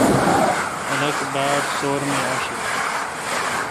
خلق باڑ سور می اشہ۔